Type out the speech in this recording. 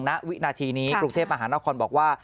ณวินาทีนี้กรุงเทพมหานครบอกว่า